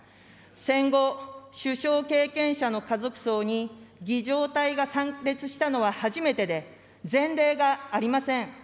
戦後、首相経験者の家族葬に、儀仗隊が参列したのは初めてで、前例がありません。